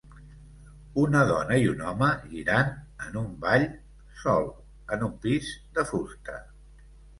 Una dona i un home girant en un ball sol en un pis de fusta